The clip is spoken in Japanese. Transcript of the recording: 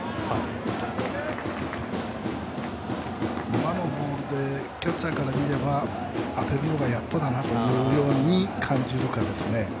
今のボールでキャッチャーから見れば当てるのがやっとだなというように感じるかですね。